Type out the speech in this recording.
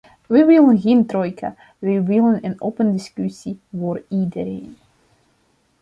Wij willen geen trojka; wij willen een open discussie voor iedereen.